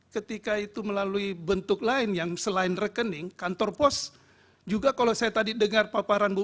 ketika itu melalui bentuk lain yang selain rekening kantor pos juga kalau saya tadi dengar paparan bu